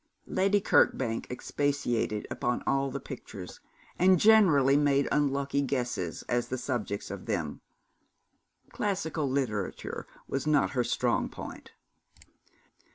Lady Kirkbank expatiated upon all the pictures, and generally made unlucky guesses at the subjects of them. Classical literature was not her strong point.